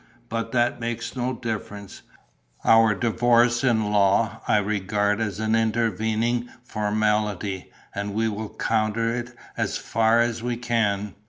But that makes no difference. Our divorce in law I regard as an intervening formality and we will counter it as far as we can.